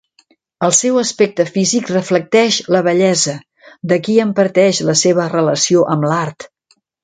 El seu aspecte físic reflecteix la bellesa, d’aquí en parteix la seva relació amb l’art.